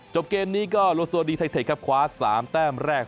เกมนี้ก็โลโซดีไทเทคครับคว้า๓แต้มแรก